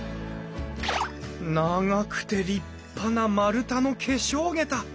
長くて立派な丸太の化粧桁！